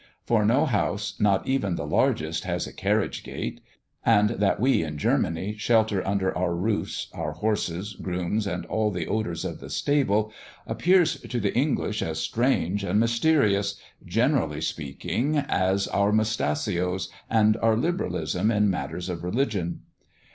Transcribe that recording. For no house, not even the largest, has a carriage gate; and that we, in Germany, shelter under our roofs our horses, grooms, and all the odours of the stable, appears to the English as strange and mysterious, generally speaking, as our mustachios, and our liberalism in matters of religion.